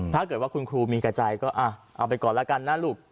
ถ้าเกิดว่าคุณครูมีแก่ใจก็เอาไปก่อนแล้วกันนะลูก